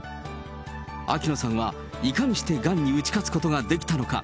秋野さんは、いかにしてがんに打ち勝つことができたのか。